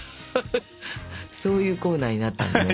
そういうコーナーになったんだね？